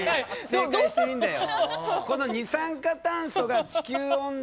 正解していいんだよ。